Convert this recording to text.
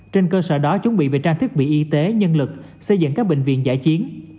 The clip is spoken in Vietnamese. trên cơ sở đó chuẩn bị về trang thiết bị y tế nhân lực xây dựng các bệnh viện giải chiến